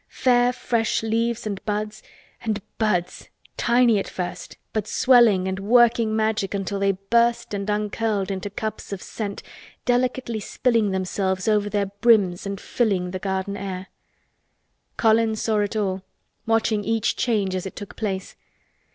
Fair fresh leaves, and buds—and buds—tiny at first but swelling and working Magic until they burst and uncurled into cups of scent delicately spilling themselves over their brims and filling the garden air. Colin saw it all, watching each change as it took place.